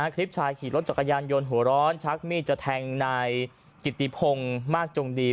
คลิปชายขี่รถจักรยานยนต์หัวร้อนชักมีดจะแทงนายกิติพงศ์มากจงดี